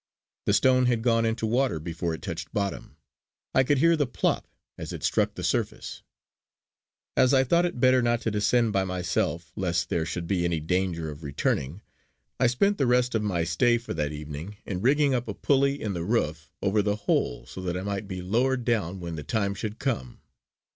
The stone had gone into water before it touched bottom. I could hear the "plop" as it struck the surface. As I thought it better not to descend by myself, lest there should be any danger of returning, I spent the rest of my stay for that evening in rigging up a pulley in the roof over the hole so that I might be lowered down when the time should come.